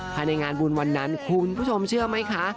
ภายในงานบุญวันนั้นคุณผู้ชมเชื่อไหมคะ